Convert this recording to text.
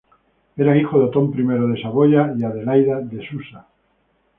Era hijo de Otón I de Saboya y Adelaida de Susa.